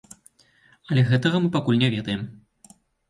Але мы гэтага пакуль не ведаем.